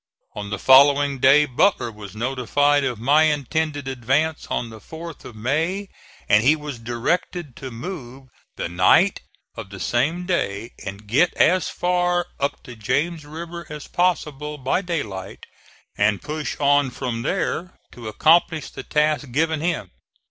On the following day Butler was notified of my intended advance on the 4th of May, and he was directed to move the night of the same day and get as far up the James River as possible by daylight, and push on from there to accomplish the task given him.